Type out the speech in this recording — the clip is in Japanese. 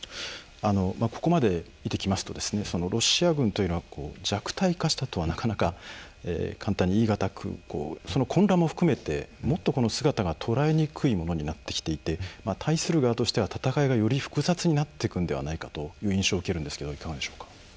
ここまで見ていますとロシア軍というのは弱体化したとは、なかなか簡単には言い難く混乱も含めて、もっと姿がとらえにくいものになってきていて戦いが、より複雑になっていくのではないかという印象を受けるんですがいかがでしょう？